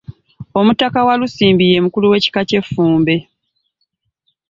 Omutaka Walusimbi ye omukulu w’ekika ky’Effumbe